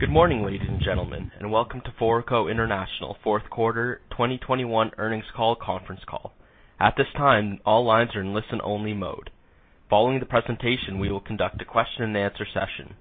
Good morning, ladies and gentlemen, and welcome to Foraco International, fourth quarter, 2021 earnings call conference call. At this time, all lines are in listen-only mode. Following the presentation, we will conduct a question-and-answer session.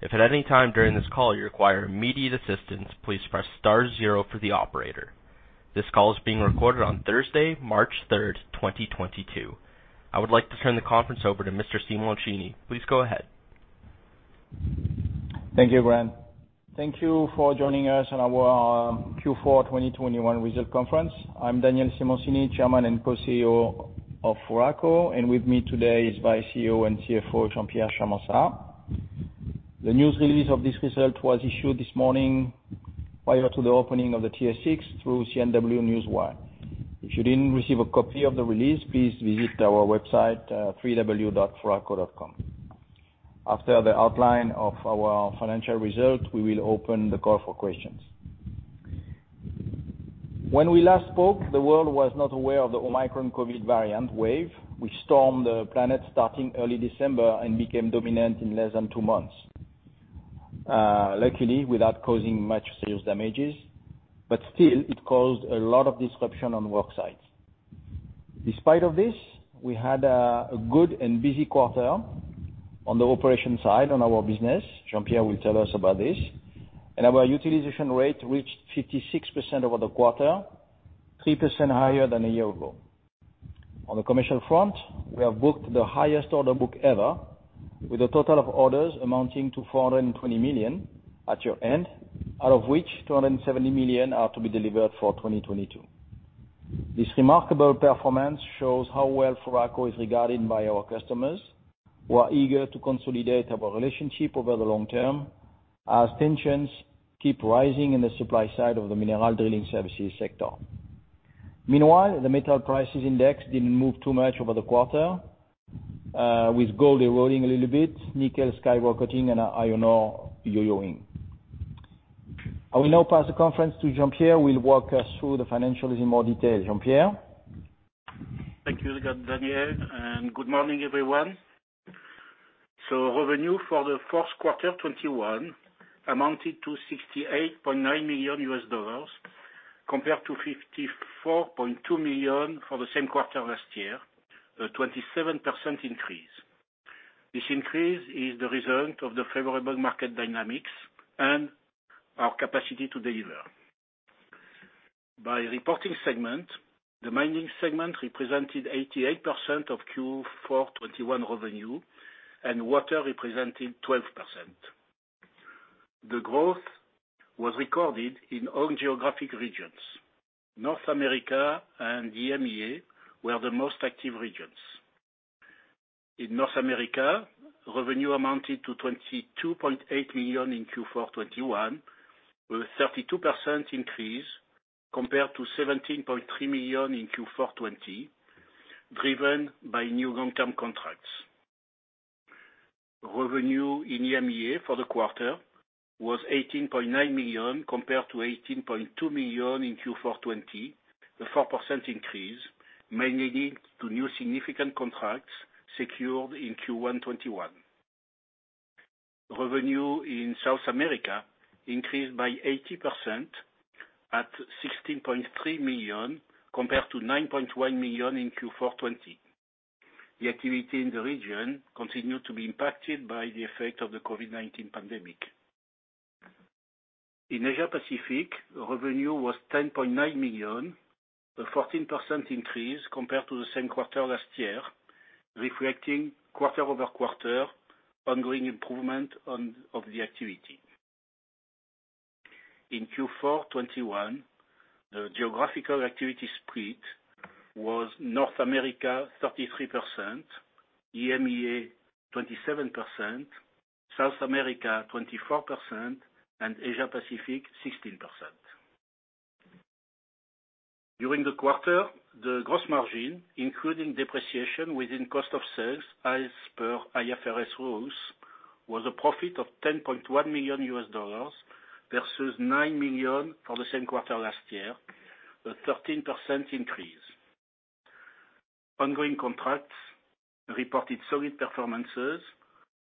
If at any time during this call you require immediate assistance, please press star zero for the operator. This call is being recorded on Thursday, March 3rd, 2022. I would like to turn the conference over to Mr. Simoncini. Please go ahead. Thank you, Grant. Thank you for joining us on our Q4 2021 result conference. I'm Daniel Simoncini, Chairman and Co-CEO of Foraco, and with me today is Vice CEO and CFO, Jean-Pierre Charmensat. The news release of this result was issued this morning prior to the opening of the TSX through CNW Newswire. If you didn't receive a copy of the release, please visit our website, www.foraco.com. After the outline of our financial result, we will open the call for questions. When we last spoke, the world was not aware of the Omicron COVID variant wave, which stormed the planet starting early December and became dominant in less than two months, luckily without causing much serious damages, but still, it caused a lot of disruption on work sites. Despite this, we had a good and busy quarter on the operation side on our business. Jean-Pierre will tell us about this. Our utilization rate reached 56% over the quarter, 3% higher than a year ago. On the commercial front, we have booked the highest order book ever, with a total of orders amounting to 420 million at year-end, out of which 270 million are to be delivered for 2022. This remarkable performance shows how well Foraco is regarded by our customers, who are eager to consolidate our relationship over the long term as tensions keep rising in the supply side of the mineral drilling services sector. Meanwhile, the metal prices index didn't move too much over the quarter, with gold eroding a little bit, nickel skyrocketing, and iron ore yo-yoing. I will now pass the conference to Jean-Pierre, who will walk us through the financials in more detail. Jean-Pierre? Thank you, Daniel. Good morning, everyone. Revenue for the fourth quarter 2021 amounted to $68.9 million, compared to $54.2 million for the same quarter last year, a 27% increase. This increase is the result of the favorable market dynamics and our capacity to deliver. By reporting segment, the mining segment represented 88% of Q4 2021 revenue, and water represented 12%. The growth was recorded in all geographic regions. North America and EMEA were the most active regions. In North America, revenue amounted to $22.8 million in Q4 2021, a 32% increase compared to $17.3 million in Q4 2020, driven by new long-term contracts. Revenue in EMEA for the quarter was $18.9 million compared to $18.2 million in Q4 2020, a 4% increase, mainly due to new significant contracts secured in Q1 2021. Revenue in South America increased by 80% at $16.3 million compared to $9.1 million in Q4 2020. The activity in the region continued to be impacted by the effect of the COVID-19 pandemic. In Asia-Pacific, revenue was $10.9 million, a 14% increase compared to the same quarter last year, reflecting quarter-over-quarter ongoing improvement of the activity. In Q4 2021, the geographical activity split was North America 33%, EMEA 27%, South America 24%, and Asia-Pacific 16%. During the quarter, the gross margin, including depreciation within cost of sales, as per IFRS rules, was a profit of $10.1 million versus $9 million for the same quarter last year, a 13% increase. Ongoing contracts reported solid performances,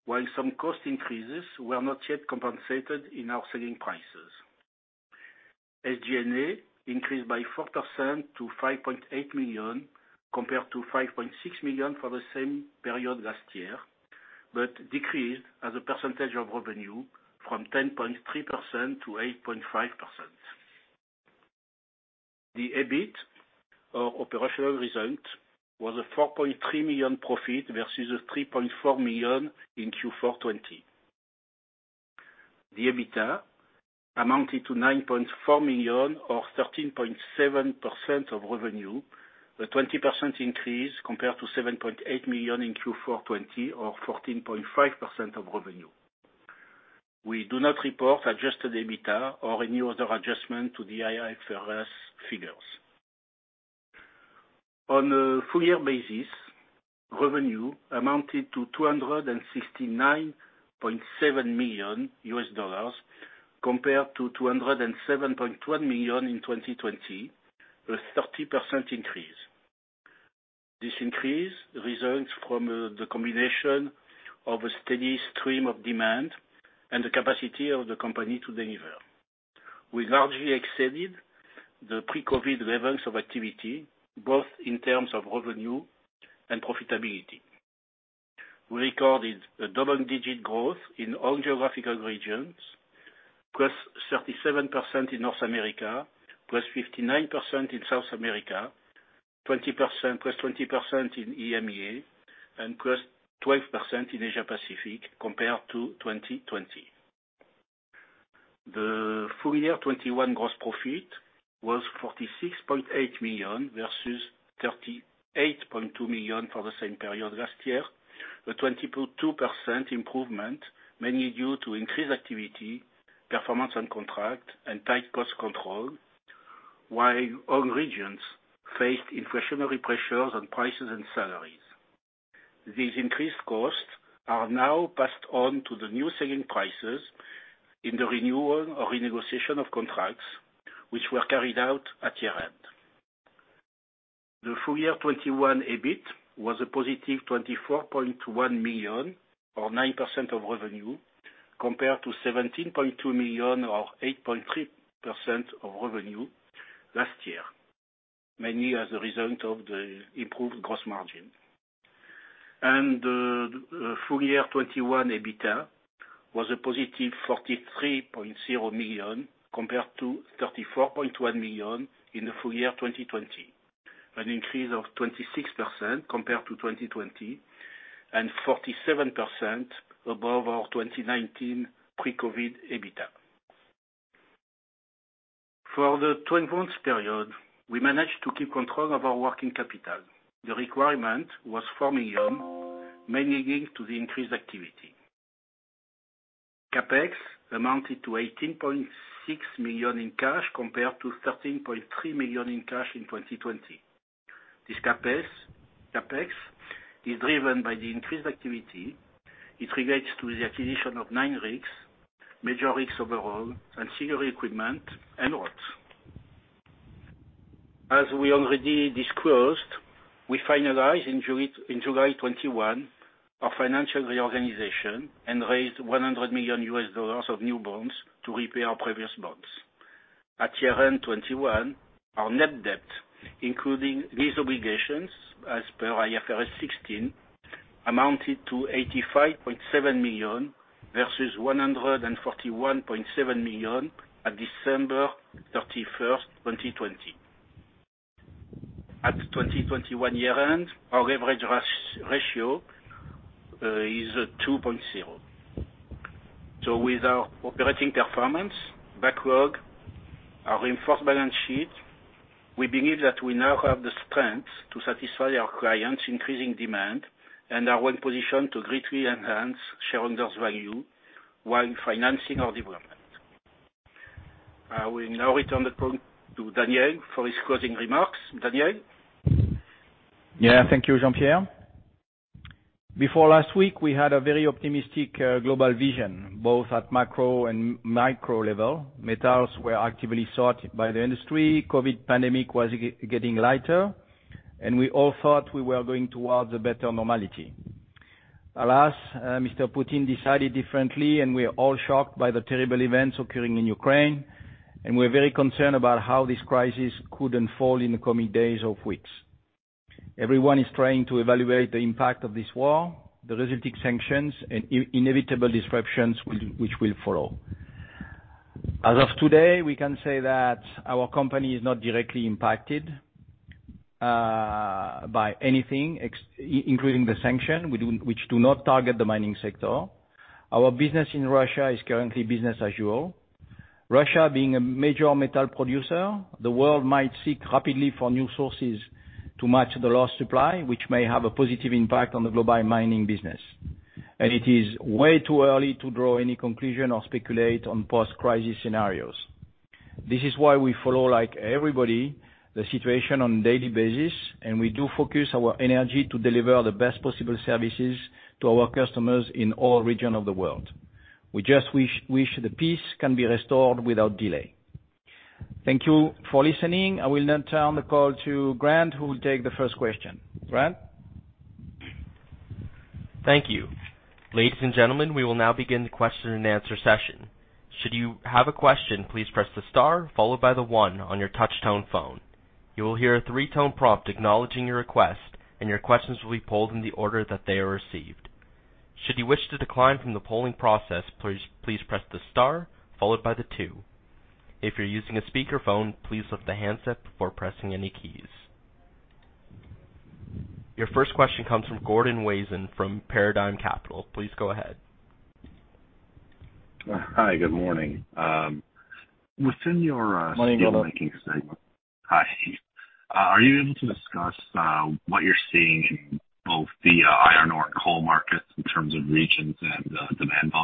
while some cost increases were not yet compensated in our selling prices. SG&A increased by 4% to $5.8 million compared to $5.6 million for the same period last year, but decreased as a percentage of revenue from 10.3% to 8.5%. The EBIT, or operational result, was a $4.3 million profit versus $3.4 million in Q4 2020. The EBITDA amounted to $9.4 million, or 13.7% of revenue, a 20% increase compared to $7.8 million in Q4 2020, or 14.5% of revenue. We do not report adjusted EBITDA or any other adjustment to the IFRS figures. On a full-year basis, revenue amounted to $269.7 million compared to $207.1 million in 2020, a 30% increase. This increase results from the combination of a steady stream of demand and the capacity of the company to deliver. We largely exceeded the pre-COVID levels of activity, both in terms of revenue and profitability. We recorded a double-digit growth in all geographical regions, +37% in North America, +59% in South America, +20% in EMEA, and +12% in Asia-Pacific compared to 2020. The full-year 2021 gross profit was 46.8 million versus 38.2 million for the same period last year, a 22% improvement mainly due to increased activity, performance on contract, and tight cost control, while all regions faced inflationary pressures on prices and salaries. These increased costs are now passed on to the new selling prices in the renewal or renegotiation of contracts, which were carried out at year-end. The full-year 2021 EBIT was +24.1 million, or 9% of revenue, compared to 17.2 million, or 8.3% of revenue, last year, mainly as a result of the improved gross margin. The full-year 2021 EBITDA was a positive $43.0 million compared to $34.1 million in the full-year 2020, an increase of 26% compared to 2020, and 47% above our 2019 pre-COVID EBITDA. For the 12-month period, we managed to keep control of our working capital. The requirement was $4 million, mainly linked to the increased activity. CapEx amounted to $18.6 million in cash compared to $13.3 million in cash in 2020. This CapEx is driven by the increased activity. It relates to the acquisition of nine rigs, major rigs overall, and shipping equipment and rods. As we already disclosed, we finalized in July 2021 our financial reorganization and raised $100 million of new bonds to repay our previous bonds. At year-end 2021, our net debt, including these obligations, as per IFRS 16, amounted to $85.7 million versus $141.7 million at December 31st, 2020. At 2021 year-end, our leverage ratio is 2.0. So with our operating performance, backlog, our enhanced balance sheet, we believe that we now have the strength to satisfy our clients' increasing demand and are well-positioned to greatly enhance shareholders' value while financing our development. I will now return the call to Daniel for his closing remarks. Daniel? Yeah. Thank you, Jean-Pierre. Before last week, we had a very optimistic global vision, both at macro and micro level. Metals were actively sought by the industry. The COVID pandemic was getting lighter, and we all thought we were going towards a better normality. Alas, Mr. Putin decided differently, and we are all shocked by the terrible events occurring in Ukraine, and we're very concerned about how this crisis could unfold in the coming days or weeks. Everyone is trying to evaluate the impact of this war, the resulting sanctions, and inevitable disruptions which will follow. As of today, we can say that our company is not directly impacted by anything, including the sanctions, which do not target the mining sector. Our business in Russia is currently business as usual. Russia, being a major metal producer, the world might seek rapidly for new sources to match the lost supply, which may have a positive impact on the global mining business. It is way too early to draw any conclusion or speculate on post-crisis scenarios. This is why we follow, like everybody, the situation on a daily basis, and we do focus our energy to deliver the best possible services to our customers in all regions of the world. We just wish the peace can be restored without delay. Thank you for listening. I will now turn the call to Grant, who will take the first question. Grant? Thank you. Ladies and gentlemen, we will now begin the question-and-answer session. Should you have a question, please press the star followed by the one on your touch-tone phone. You will hear a three-tone prompt acknowledging your request, and your questions will be polled in the order that they are received. Should you wish to decline from the polling process, please press the star followed by the two. If you're using a speakerphone, please lift the handset before pressing any keys. Your first question comes from Gordon Lawson from Paradigm Capital. Please go ahead. Hi. Good morning. Within your. Morning, Gordon. [Steelmaking] segment. Hi. Are you able to discuss what you're seeing in both the iron ore and coal markets in terms of regions and demand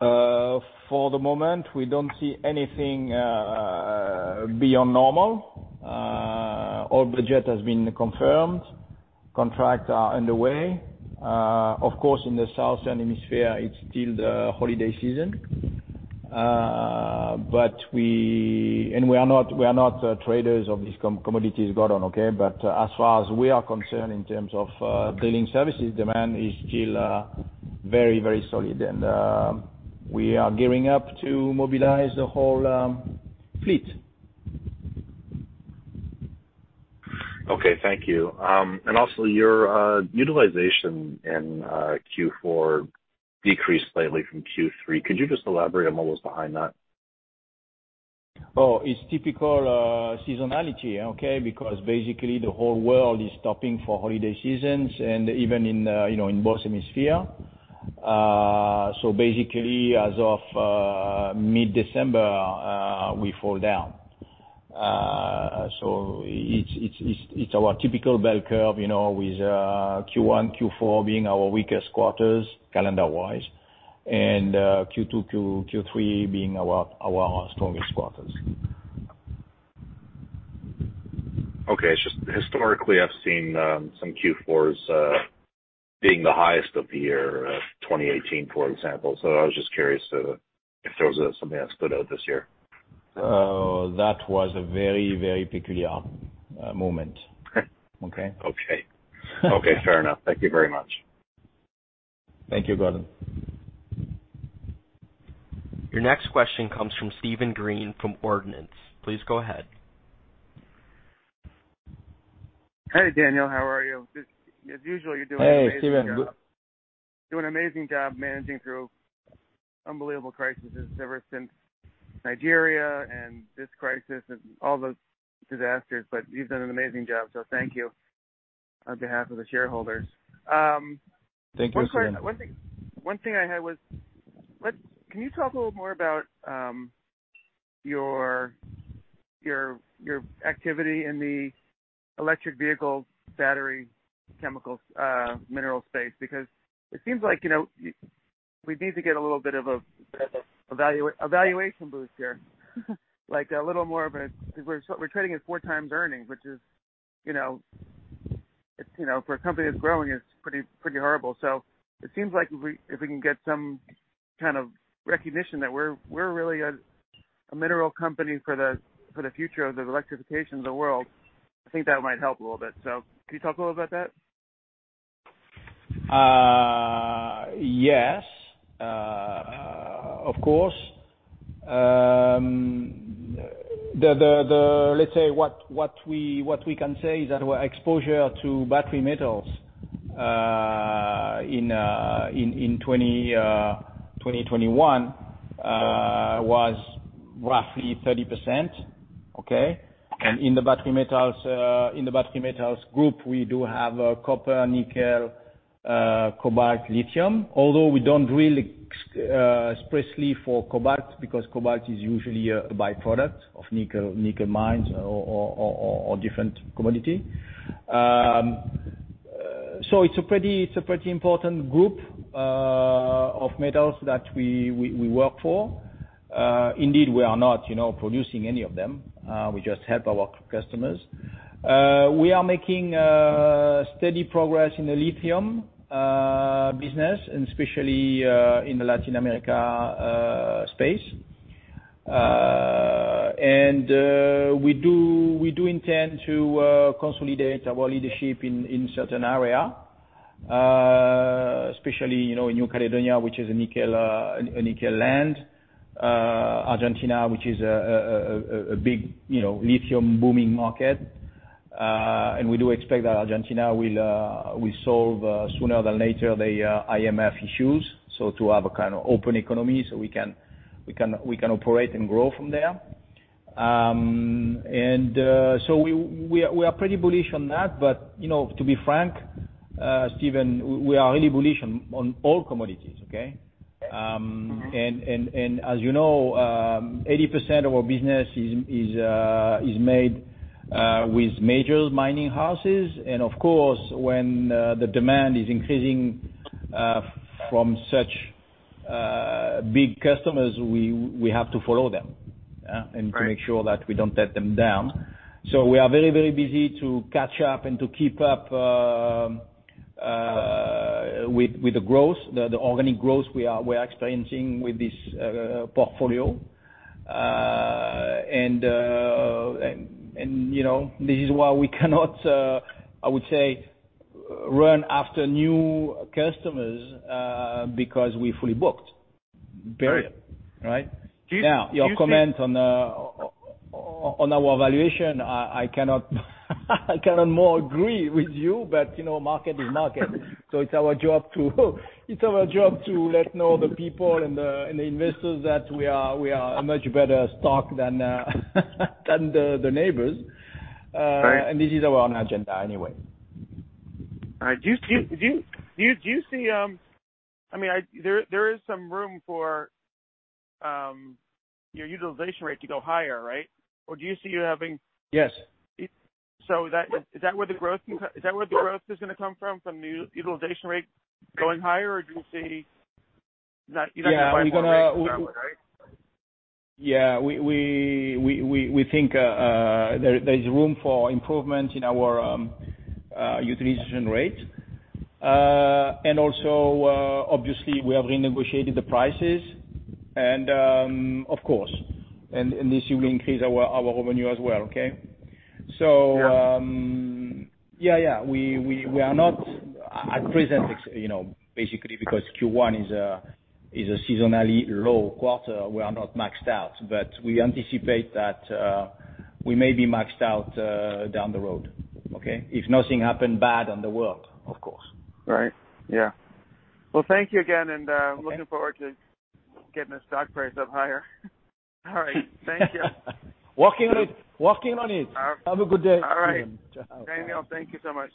volume? For the moment, we don't see anything beyond normal. All budget has been confirmed. Contracts are underway. Of course, in the Southern Hemisphere, it's still the holiday season, and we are not traders of these commodities, Gordon, okay? But as far as we are concerned in terms of drilling services, demand is still very, very solid, and we are gearing up to mobilize the whole fleet. Okay. Thank you. And also, your utilization in Q4 decreased slightly from Q3. Could you just elaborate on what was behind that? Oh, it's typical seasonality, okay, because basically the whole world is stopping for holiday seasons and even in both hemispheres. Basically, as of mid-December, we fall down. It's our typical bell curve with Q1, Q4 being our weakest quarters calendar-wise, and Q2, Q3 being our strongest quarters. Okay. Just historically, I've seen some Q4s being the highest of the year, 2018, for example. So I was just curious if there was something that stood out this year? Oh, that was a very, very peculiar moment. Okay? Okay. Okay. Fair enough. Thank you very much. Thank you, Gordon. Your next question comes from Steven Green from Ordinance. Please go ahead. Hey, Daniel. How are you? As usual, you're doing amazing. Hey, Steven. You're doing an amazing job managing through unbelievable crises ever since Nigeria and this crisis and all the disasters, but you've done an amazing job, so thank you on behalf of the shareholders. Thank you, Steven. One thing I had was, can you talk a little more about your activity in the electric vehicle battery chemicals mineral space? Because it seems like we need to get a little bit of an evaluation boost here, like a little more of a, we're trading at 4x earnings, which is, for a company that's growing, it's pretty horrible. So it seems like if we can get some kind of recognition that we're really a mineral company for the future of the electrification of the world, I think that might help a little bit. So can you talk a little about that? Yes, of course. Let's say what we can say is that our exposure to battery metals in 2021 was roughly 30%, okay? And in the battery metals group, we do have copper, nickel, cobalt, lithium, although we don't drill expressly for cobalt because cobalt is usually a byproduct of nickel mines or different commodity. So it's a pretty important group of metals that we work for. Indeed, we are not producing any of them. We just help our customers. We are making steady progress in the lithium business, and especially in the Latin America space. And we do intend to consolidate our leadership in certain areas, especially in New Caledonia, which is a nickel land, Argentina, which is a big lithium booming market. We do expect that Argentina will solve sooner than later the IMF issues, so to have a kind of open economy so we can operate and grow from there. We are pretty bullish on that, but to be frank, Steven, we are really bullish on all commodities, okay? As you know, 80% of our business is made with major mining houses. Of course, when the demand is increasing from such big customers, we have to follow them and to make sure that we don't let them down. We are very, very busy to catch up and to keep up with the growth, the organic growth we are experiencing with this portfolio. This is why we cannot, I would say, run after new customers because we're fully booked. Period. Right? Now, your comment on our valuation, I cannot more agree with you, but market is market. So it's our job to, it's our job to let know the people and the investors that we are a much better stock than the neighbors. This is our own agenda anyway. All right. Do you see, I mean, there is some room for your utilization rate to go higher, right? Or do you see you having? Yes. So is that where the growth—is that where the growth is going to come from, from the utilization rate going higher, or do you see—you're not going to buy from that side, right? Yeah. We think there is room for improvement in our utilization rate. And also, obviously, we have renegotiated the prices, and of course, and this will increase our revenue as well, okay? So yeah, yeah. We are not at present, basically, because Q1 is a seasonally low quarter. We are not maxed out, but we anticipate that we may be maxed out down the road, okay, if nothing happens bad on the world, of course. Right. Yeah. Well, thank you again, and looking forward to getting the stock price up higher. All right. Thank you. Working on it. Have a good day. All right. Daniel, thank you so much.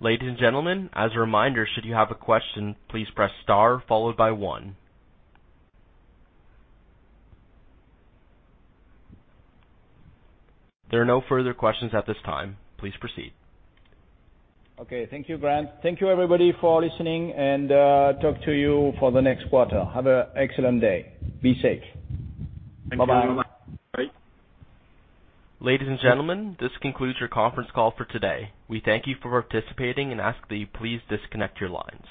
Ladies and gentlemen, as a reminder, should you have a question, please press star followed by one. There are no further questions at this time. Please proceed. Okay. Thank you, Grant. Thank you, everybody, for listening, and talk to you for the next quarter. Have an excellent day. Be safe. Thank you. Bye-bye. Bye-bye. Bye. Ladies and gentlemen, this concludes your conference call for today. We thank you for participating and ask that you please disconnect your lines.